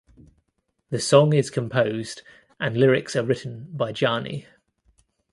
The song is composed and lyrics are written by Jaani.